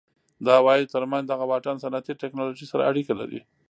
د عوایدو ترمنځ دغه واټن صنعتي ټکنالوژۍ سره اړیکه لري.